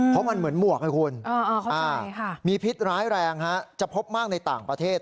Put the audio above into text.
เพราะมันเหมือนหมวกไงคุณมีพิษร้ายแรงจะพบมากในต่างประเทศ